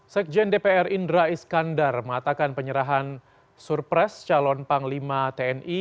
sekjen dpr indra iskandar mengatakan penyerahan surpres calon panglima tni